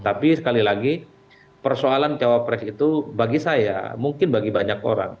tapi sekali lagi persoalan cawapres itu bagi saya mungkin bagi banyak orang